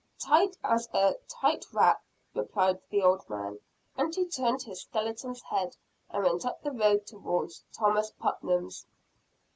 "Tight as a rat trap," replied the old man and he turned his skeleton's head, and went up the road towards Thomas Putnam's.